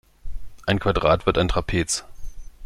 Ein Quadrat wird ein Trapez.